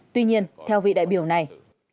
tuy nhiên theo vị đại biểu này